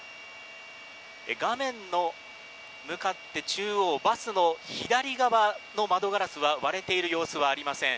画面の向かって中央バスの左側の窓ガラスは割れている様子はありません。